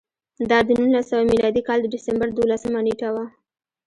دا د نولس سوه میلادي کال د ډسمبر دولسمه نېټه وه